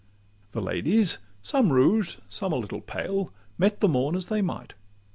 CIV The ladies some rouged, some a little pale Met the morn as they might.